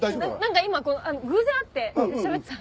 今偶然会ってしゃべってた。